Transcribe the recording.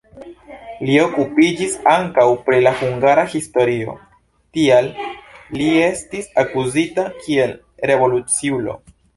Li okupiĝis ankaŭ pri la hungara historio, tial li estis akuzita kiel revoluciulo.